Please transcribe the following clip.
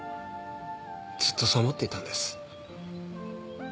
ずっとそう思っていたんです。